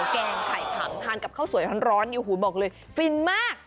แกงไข่ผังทานกับข้าวสวยร้อนโอ้โหบอกเลยฟินมาก